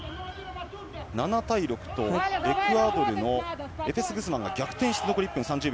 ７対６とエクアドルのジェペス・グスマンが逆転して残り１分３０秒。